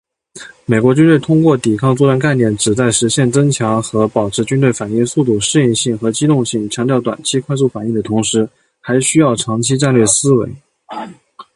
美国军队通过“抵抗作战概念”旨在实现“增强和保持军队反应速度、适应性和机动性，强调短期快速反应的同时，还需要长期战略思维。”